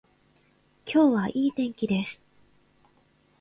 今日はいい天気です